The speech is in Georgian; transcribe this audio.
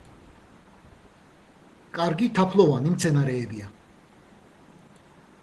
კარგი თაფლოვანი მცენარეებია.